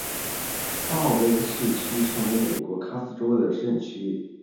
鲍威尔镇区为位在美国堪萨斯州科曼奇县的镇区。